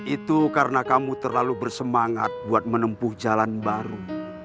itu karena kamu terlalu bersemangat buat menempuh jalan baru